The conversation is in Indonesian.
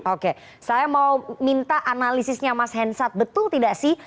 oke saya mau minta analisisnya mas hensat betul tidak sih